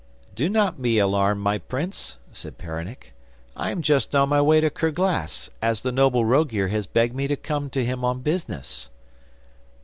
'Do not be alarmed, my prince,' said Peronnik, 'I am just on my way to Kerglas, as the noble Rogear has begged me to come to him on business.